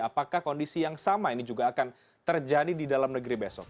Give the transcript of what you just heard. apakah kondisi yang sama ini juga akan terjadi di dalam negeri besok